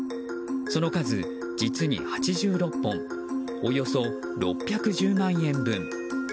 その数、実に８６本およそ６１０万円分。